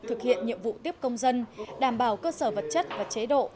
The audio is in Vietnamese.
thực hiện nhiệm vụ tiếp công dân đảm bảo cơ sở vật chất và chế độ